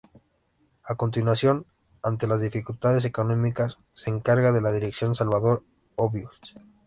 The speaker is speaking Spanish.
A continuación, ante las dificultades económicas, se encarga de la dirección Salvador Obiols.